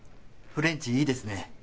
フレンチいいですね。